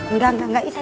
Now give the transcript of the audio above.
enggak enggak enggak